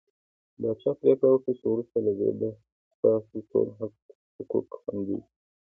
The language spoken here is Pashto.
پاچا پرېکړه وکړه چې وروسته له دې به ستاسو ټول حقوق خوندي وي .